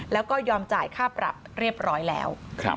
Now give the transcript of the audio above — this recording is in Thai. แล้วก็ยอมจ่ายค่าปรับเรียบร้อยแล้ว